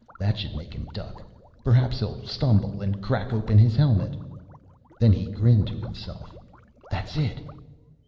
That should make him duck. Perhaps he'll stumble and crack his helmet open. Then he grinned to himself. That's it.